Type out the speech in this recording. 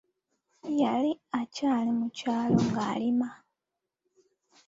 Yali akyali mu kyalo nga alima..